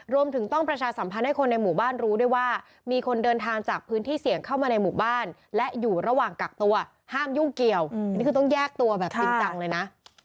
รวมถึงต้องประชาสัมพันธ์ให้คนในหมู่บ้านรู้ด้วยว่ามีคนเดินทางจากพื้นที่เสี่ยงเข้ามาในหมู่บ้านและอยู่ระหว่างกักตัวห้ามยุ่งเกี่ยวนี่คือต้องแยกตัวแบบจริงจังเลยนะ